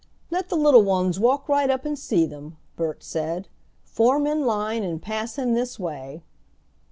"Let the little ones walk right up and see them," Bert said. "Form in line and pass in this way."